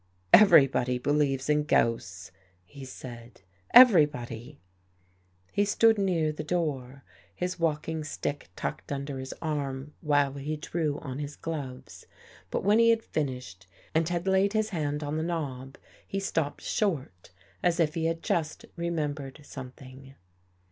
" Everybody believes in ghosts," he said. " Everybody! " He stood near the door, his walking stick tucked under his arm while he drew on his gloves. But when he had finished and had laid his hand on the 6i THE GHOST GIRL knob, he stopped short as if he had just remem bered something.